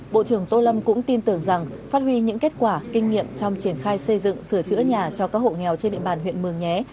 bộ trưởng tô lâm cũng tin tưởng rằng phát huy những kết quả kinh nghiệm trong triển khai xây dựng sửa chữa nhà cho các hộ nghèo trên địa bàn huyện mường nhé